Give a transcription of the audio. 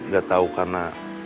gak tau karena